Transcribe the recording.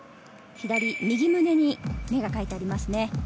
右胸に目が描いてありますね。